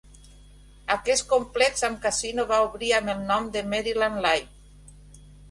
Aquest complex amb casino va obrir amb el nom de Maryland Live!